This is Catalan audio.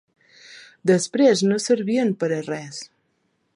Després no servien pera res.